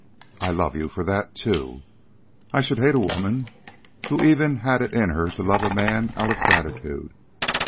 I love you for that too. I should hate a woman who even had it in her to love a man out of gratitude.